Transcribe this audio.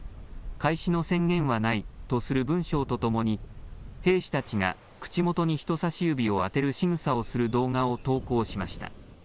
開始の宣言はないとする文章とともに兵士たちが口元に人さし指を当てるしぐさをする動画を投稿しました。